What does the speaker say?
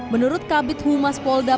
menurut kabupaten kabupaten pegunungan bintang